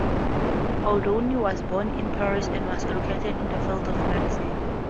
Audouin was born in Paris and was educated in the field of medicine.